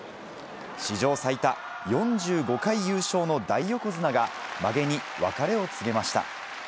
史上最多４５回優勝の大横綱が、まげに別れを告げました。